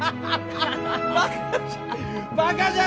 バカじゃ。